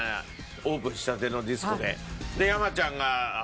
オープンしたてのディスコで。